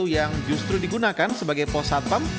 yang justru digunakan sebagai posat pump